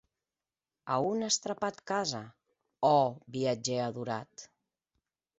A on as trapat casa, ò viatgèr adorat?